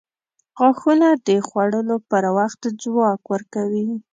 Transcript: • غاښونه د خوړلو پر وخت ځواک ورکوي.